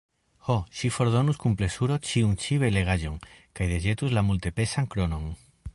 Ho, ŝi fordonus kun plezuro ĉiun ĉi belegaĵon kaj deĵetus la multepezan kronon!